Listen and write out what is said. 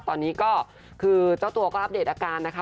ตอนนี้ก็คือเจ้าตัวก็อัปเดตอาการนะคะ